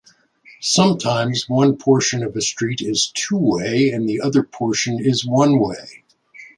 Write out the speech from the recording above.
Sometimes one portion of a street is two-way and the other portion is one-way.